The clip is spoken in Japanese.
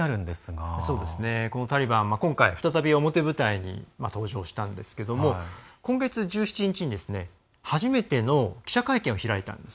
今回、再び、このタリバン表舞台に登場してきたわけなんですけども今月１７日初めての記者会見を開いたんです。